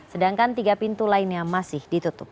sedangkan tiga pintu lainnya masih ditutup